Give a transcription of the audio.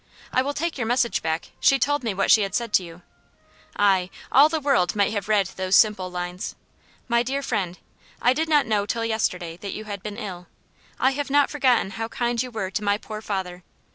"I will take your message back. She told me what she had said to you." Ay, all the world might have read those simple lines: "MY DEAR FRIEND, "I did not know till yesterday that you had been ill. I have not forgotten how kind you were to my poor father.